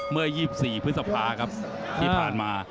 เมื่อ๒๔พฤษภาครับที่ผ่านมา